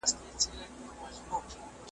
په دوی واړو کي چي مشر وو غدار وو .